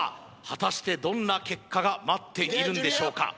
果たしてどんな結果が待っているんでしょうか？